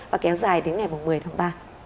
và kéo dài đến ngày một mươi tháng ba